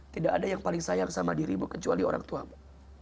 tidak ada yang paling sayang sama dirimu kecuali orang tuamu